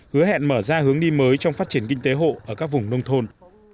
hứa hẹn mở ra hướng đi mới trong phát triển kinh tế hộ ở các vùng nông thôn